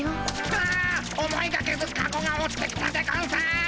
あ思いがけずカゴが落ちてきたでゴンス。